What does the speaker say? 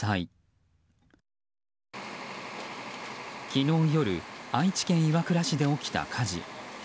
昨日夜愛知県岩倉市で起きた火事。